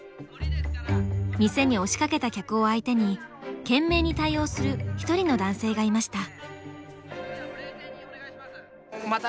店に押しかけた客を相手に懸命に対応する一人の男性がいました。